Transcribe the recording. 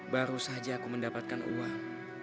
baru saja aku mendapatkan uang